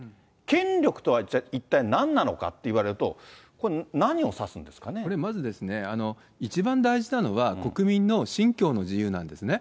権力とは、じゃあ一体なんなのかって言われると、これ、何を指すんですかねまずですね、一番大事なのは、国民の信教の自由なんですね。